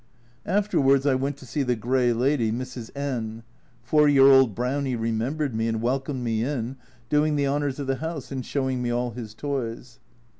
Afterwards I went to see the grey lady, Mrs. N . Four year old Brownie remembered me and welcomed me in, doing the honours of the house and showing me all his toys.